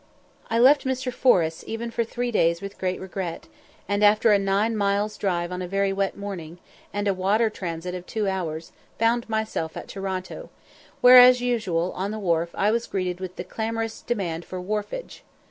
I left Mr. Forrest's even for three days with great regret, and after a nine miles drive on a very wet morning, and a water transit of two hours, found myself at Toronto, where as usual on the wharf I was greeted by the clamorous demand for "wharfage."